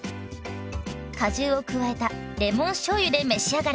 果汁を加えたレモンしょうゆで召し上がれ！